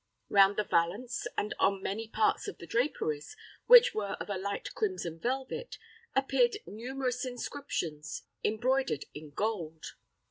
Round the valance, and on many parts of the draperies, which were of a light crimson velvet, appeared numerous inscriptions, embroidered in gold.